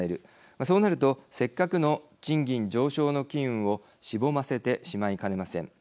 そうなるとせっかくの賃金上昇の機運をしぼませてしまいかねません。